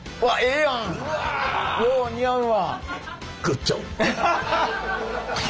よう似合うわ。